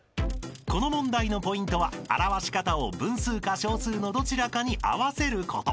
［この問題のポイントは表し方を分数か小数のどちらかに合わせること］